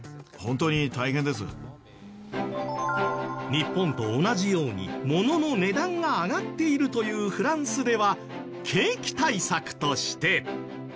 日本と同じように物の値段が上がっているというフランスでは景気対策として。